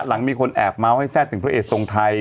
หลังมีคนแอบเมาส์ให้แซ่บถึงพระเอกทรงไทย